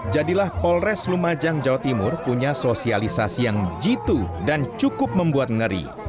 jadilah polres lumajang jawa timur punya sosialisasi yang jitu dan cukup membuat ngeri